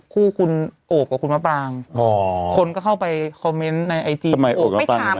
คู่คุณโอบกับคุณมะปางอ๋อคนก็เข้าไปในไอจีงไม่ถาม